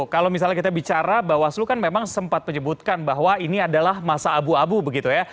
kalau misalnya kita bicara bawaslu kan memang sempat menyebutkan bahwa ini adalah masa abu abu begitu ya